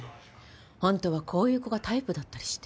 ホントはこういう子がタイプだったりして。